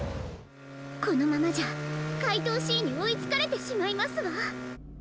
このままじゃかいとうＣにおいつかれてしまいますわ。